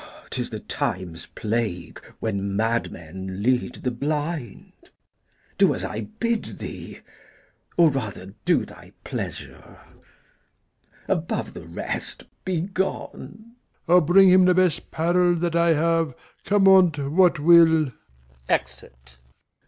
Glou. 'Tis the time's plague when madmen lead the blind. Do as I bid thee, or rather do thy pleasure. Above the rest, be gone. Old Man. I'll bring him the best 'parel that I have, Come on't what will. Exit.